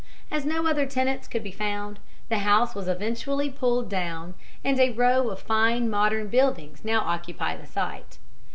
As no other tenants could be found, the house was eventually pulled down, and a row of fine modern buildings now occupy the site.